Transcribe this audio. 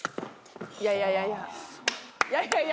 いやいやいやいや。